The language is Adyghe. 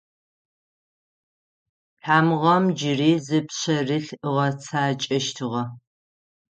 Тамыгъэм джыри зы пшъэрылъ ыгъэцакӏэщтыгъэ.